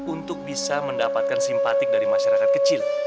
untuk bisa mendapatkan simpatik dari masyarakat kecil